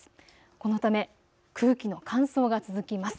このため空気の乾燥が続きます。